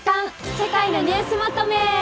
世界のニュースまとめ。